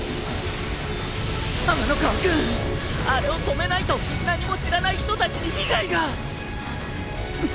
天ノ河君あれを止めないと何も知らない人たちに被害が！